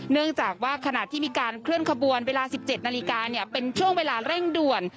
เนื่องจากว่าขณะที่มีการเคลื่อนขบวนเวลา๑๗นาฬิกาเนี่ยเป็นช่วงเวลาเร่งด่วน